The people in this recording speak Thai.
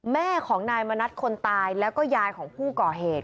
แม่ของนายมณัฐคนตายแล้วก็ยายของผู้ก่อเหตุ